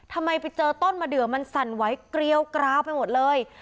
ไปเจอต้นมะเดือมันสั่นไหวเกลียวกราวไปหมดเลย